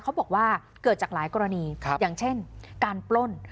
เขาบอกว่าเกิดจากหลายกรณีอย่างเช่นการปล้น